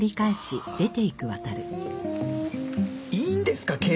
いいんですか？